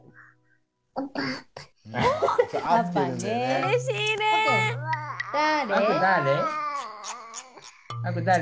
うれしいね。